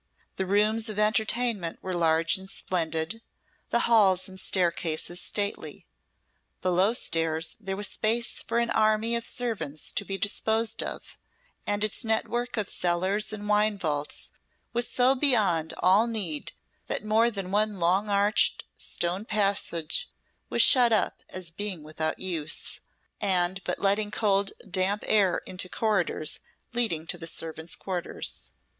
The rooms of entertainment were large and splendid, the halls and staircases stately; below stairs there was space for an army of servants to be disposed of; and its network of cellars and wine vaults was so beyond all need that more than one long arched stone passage was shut up as being without use, and but letting cold, damp air into corridors leading to the servants' quarters.